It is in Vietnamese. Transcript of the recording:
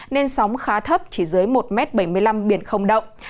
nên sóng khá thấp chỉ dưới một bảy mươi năm m biển không động